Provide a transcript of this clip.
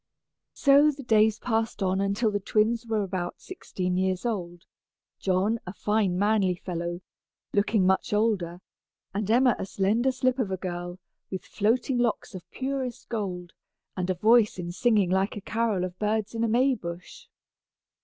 So the days passed on until the twins were about sixteen years old, John a fine manly fellow, looking much older, and Emma a slender slip of a girl, with floating locks of purest gold, and a voice in singing like a carol of birds in a Maybush.